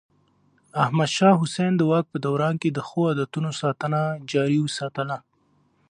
احمد شاه حسين د واک په دوران کې د ښو عادتونو ساتنه جاري وساتله.